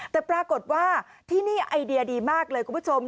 แต่ปรากฏว่าที่นี่ไอเดียดีมากเลยคุณผู้ชม